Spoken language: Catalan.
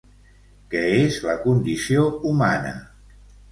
Què és la condició humana?